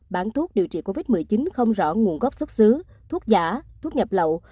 bán thuốc điều trị covid một mươi chín không rõ nguồn gốc xuất xứ thuốc giả thuốc nhập lậu